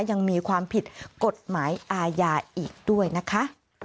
ยังมีความผิดกฎหมายอาญาอีกด้วยนะคะ